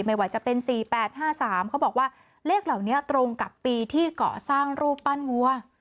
ไม่ว่าจะเป็น๔๘๕๓เขาบอกว่าเลขเหล่านี้ตรงกับปีที่เกาะสร้างรูปปั้นวัว